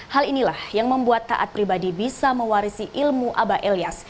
hal inilah yang membuat taat pribadi bisa mewarisi ilmu abah elias